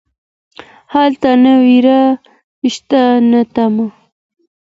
هلته نه ویره شته نه تمه.